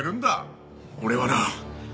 俺はな